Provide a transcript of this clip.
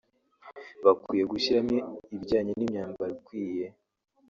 bakwiye gushyiramo ibijyanye n’imyambaro ikwiye